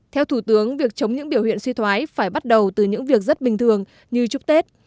theo thủ tướng việc chống những biểu hiện suy thoái phải bắt đầu từ những việc rất bình thường như chúc tết